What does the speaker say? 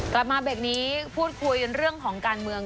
กลับมาเบรกนี้พูดคุยเรื่องของการเมือง